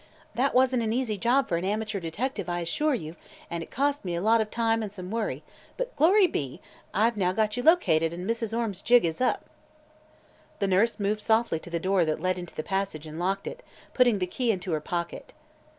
That wasn't an easy job for an amateur detective, I assure you, and it cost me a lot of time and some worry, but glory be! I've now got you located and Mrs. Orme's jig is up." The nurse moved softly to the door that led into the passage and locked it, putting the key into her pocket.